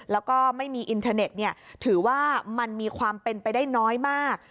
แล้วก็ไม่มีอินเทอร์เน็ตถือว่ามันมีความเป็นไปได้น้อยมาก